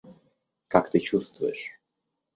Как ты чувствуешь?